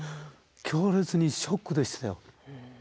強烈にショックでしたよ。